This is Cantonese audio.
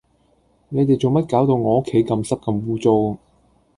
你哋做乜搞到我屋企咁濕咁污糟